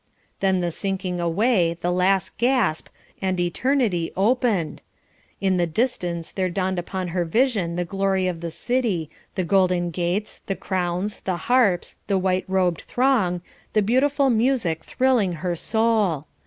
Then the sinking away, the last gasp, and eternity opened! In the distance there dawned upon her vision the glory of the city, the golden gates, the crowns, the harps, the white robed throng, the wonderful music thrilling her soul.